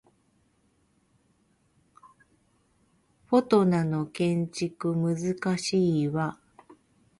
フォトナの建築難しいわ